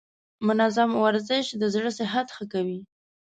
منظم ورزش د زړه صحت ښه کوي.